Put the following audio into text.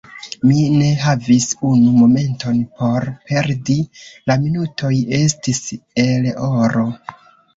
Mi ne havis unu momenton por perdi: la minutoj estis el oro.